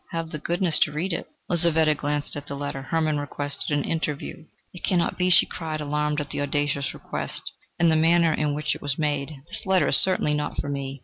"Have the goodness to read it." Lizaveta glanced at the letter. Hermann requested an interview. "It cannot be," she cried, alarmed at the audacious request, and the manner in which it was made. "This letter is certainly not for me."